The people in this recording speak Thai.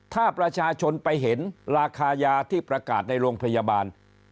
ถ้าประชาชนไปเห็นราคายาที่ประกาศในโรงพยาบาล